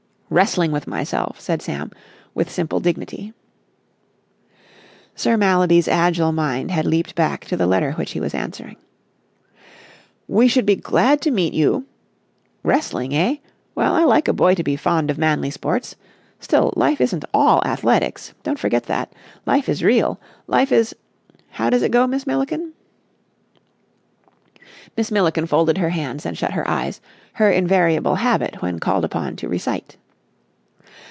"Wrestling with myself," said Sam with simple dignity. Sir Mallaby's agile mind had leaped back to the letter which he was answering. "We should be glad to meet you.... Wrestling, eh? Well, I like a boy to be fond of manly sports. Still, life isn't all athletics. Don't forget that. Life is real! Life is ... how does it go, Miss Milliken?" Miss Milliken folded her hands and shut her eyes, her invariable habit when called upon to recite.